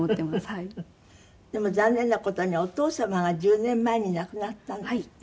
でも残念な事にお父様が１０年前に亡くなったんですって？